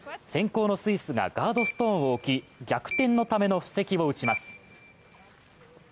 先攻のスイスがガードストーンを置き、逆転のための布石を打ちます。